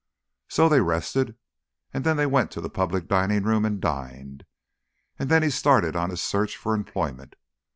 So they rested, and then they went to the public dining room and dined, and then he started on his search for employment.